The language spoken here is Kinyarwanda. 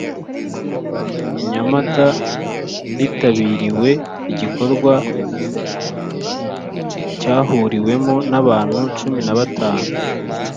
i Nyamata hitabiriwe igikorwa cyahuriwemo n abantu cumi na batanu